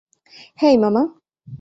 হেই, মামা।